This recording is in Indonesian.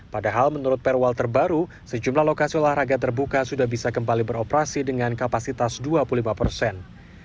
padahal menurut perwal terbaru sejumlah lokasi olahraga terbuka sudah bisa kembali beroperasi dengan kapasitas dua puluh lima persen